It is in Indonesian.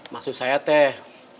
maksud saya teh